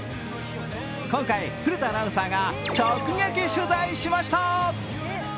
今回、古田アナウンサーが直撃取材しました。